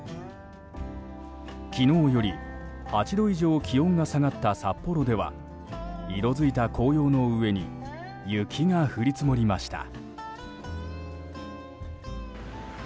昨日より８度以上気温が下がった札幌では色づいた紅葉の上に雪が降り積もりました。